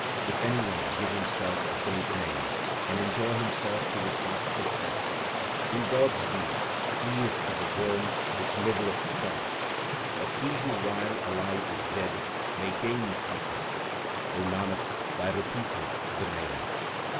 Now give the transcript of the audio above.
If any one give himself a great name and enjoy himself to his heart s content, In God s view he is as a worm which nibbleth corn ; But he who while alive is dead, may gain something, O Nanak, by repeating the Name.